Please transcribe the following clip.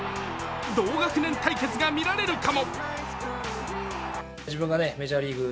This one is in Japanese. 同学年対決が見られるかも？